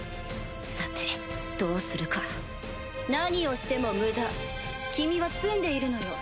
さてどうするか何をしても無駄君は詰んでいるのよ。